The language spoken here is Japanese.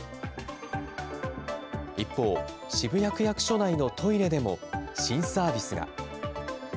一方、渋谷区役所内のトイレでも新サービスが。